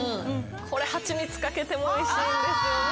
これはちみつかけてもおいしいんですよね。